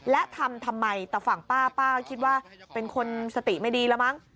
และทำทำไมแต่ฝั่งป้าป้าก็คิดว่าเป็นคนสติไม่ดีแล้วมั้ง